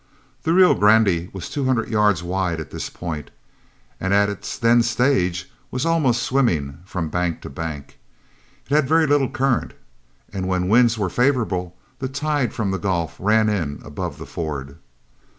The Rio Grande was two hundred yards wide at this point, and at its then stage was almost swimming from bank to bank. It had very little current, and when winds were favorable the tide from the Gulf ran in above the ford.